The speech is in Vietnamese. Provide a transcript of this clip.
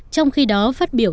trong khi đó phát biểu